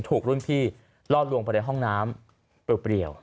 ถูกรุ่นพี่ล่อลวงไปในห้องน้ำเปรียว